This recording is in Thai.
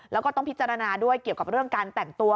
แล้วก็ต้องพิจารณาด้วยเกี่ยวกับเรื่องการแต่งตัว